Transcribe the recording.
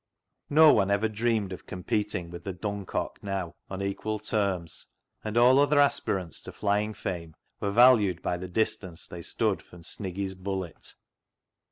No one ever dreamed of competing with the " Dun cock " now on equal terms, and all other aspirants to flying fame were valued by the distance they stood from Sniggy's " Bullet."